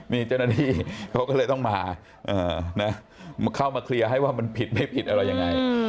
นี่เจ้าหน้าที่เขาก็เลยต้องมาเข้ามาเคลียร์ให้ว่ามันผิดไม่ผิดอะไรยังไง